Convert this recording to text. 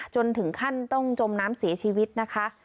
จนถึงขั้นต้องจมน้ำเสียชีวิตนะคะ